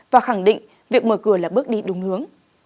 và khẳng định việc mở cửa là bước đi đúng hướng